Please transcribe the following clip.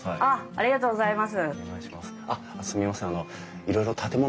ありがとうございます。